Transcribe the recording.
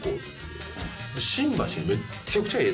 新橋にめちゃくちゃええ